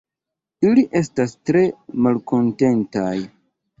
Ili estis tre malkontentaj.